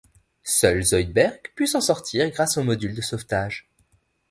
Seul Zoïdberg put s'en sortir grâce au module de sauvetage.